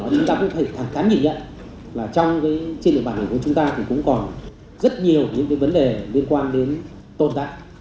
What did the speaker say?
chúng ta cũng thấy thẳng thắn nhìn nhận là trong trên địa bàn của chúng ta cũng có rất nhiều những vấn đề liên quan đến tồn tại